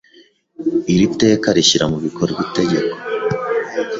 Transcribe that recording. Iri teka rishyira mu bikorwa Itegeko